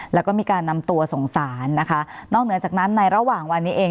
แล้วก็มีการนำตัวส่งสารนะคะนอกเหนือจากนั้นในระหว่างวันนี้เอง